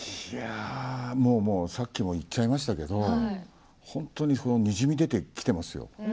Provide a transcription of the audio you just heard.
さっきも言っちゃいましたけど本当に、にじみ出てきていますよ。